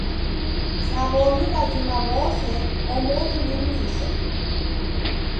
Sa w'omi w'azima w'ose omoni ni mlisha.